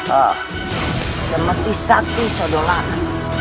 oh seperti sakti sodolara